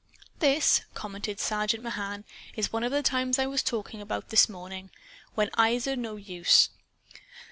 "This," commented Sergeant Mahan, "is one of the times I was talking about this morning when eyes are no use.